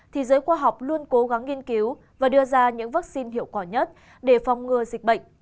thì giới khoa học luôn cố gắng nghiên cứu và đưa ra những vaccine hiệu quả nhất để phòng ngừa dịch bệnh